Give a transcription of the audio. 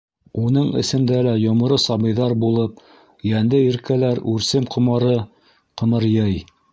Уның эсендә лә йоморо сабыйҙар булып йәнде иркәләр үрсем ҡомары ҡымырйый.